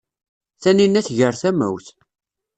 Taninna tger tamawt.